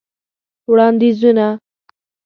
وړاندیزونه :